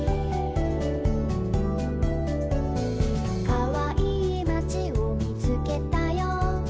「かわいいまちをみつけたよ」